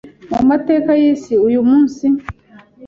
Mu mateka y’isi, uyu munsi